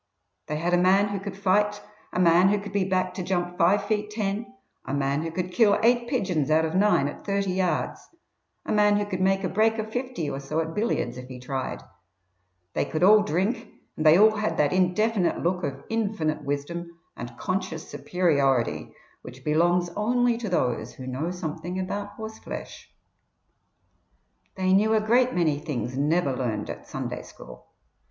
They had a man who could fight, a man who could be backed to jump five feet ten, a man who could kill eight pigeons out of nine at thirty yards, a man who could make a break of fifty or so at billiards if he tried; they could all drink, and they all had that indefinite look of infinite wisdom and conscious superiority which belongs only to those who know something about horseflesh. They knew a great many things never learnt at Sunday school.